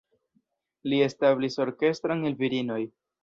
Li establis orkestron el virinoj.